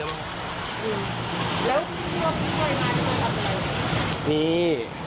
เอ๋ามาทำเรื่องนี้